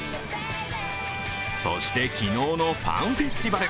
そして昨日のファンフェスティバル。